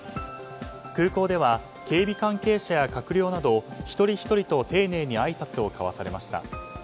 空港では、警備関係者や閣僚など一人ひとりと丁寧にあいさつを交わされました。